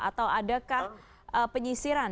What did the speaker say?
atau adakah penyisiran